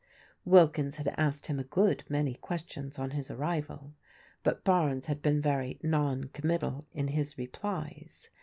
Wilkins had asked him a good many questions on his arrival, but Barnes had been very non committal in his replies.